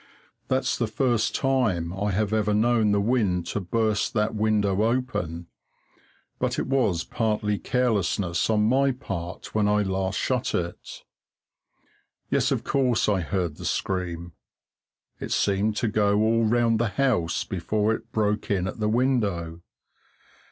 That's the first time I have ever known the wind to burst that window open; but it was partly carelessness on my part when I last shut it. Yes, of course I heard the scream. It seemed to go all round the house before it broke in at the window.